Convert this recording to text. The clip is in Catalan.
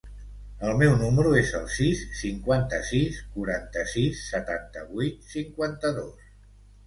El meu número es el sis, cinquanta-sis, quaranta-sis, setanta-vuit, cinquanta-dos.